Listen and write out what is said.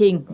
và đề nghị